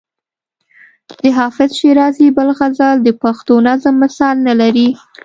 د حافظ شیرازي بل غزل د پښتو نظم مثال نه لري.